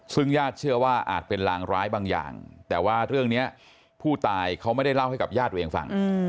ซึ่งญาติเชื่อว่าอาจเป็นรางร้ายบางอย่างแต่ว่าเรื่องนี้ผู้ตายเขาไม่ได้เล่าให้กับญาติตัวเองฟัง